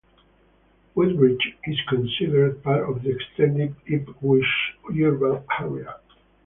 Woodbridge is considered part of the extended Ipswich urban area.